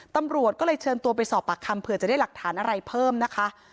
ตำรวจก็เลยเชิญตัวไปสอบปากคำเผื่อจะได้หลักฐานอะไรเพิ่มนะคะ